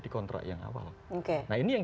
di kontrak yang awal oke nah ini yang